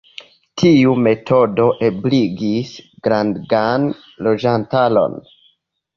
Tiu metodo ebligis grandegan loĝantaron.